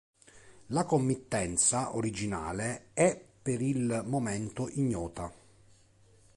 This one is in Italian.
La committenza originale è per il momento ignota.